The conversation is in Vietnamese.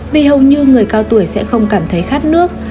vì hầu như người cao tuổi sẽ không cảm thấy khát nước